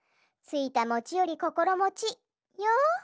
「ついたもちよりこころもち」よ。